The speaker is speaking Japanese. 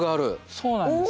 そうなんです。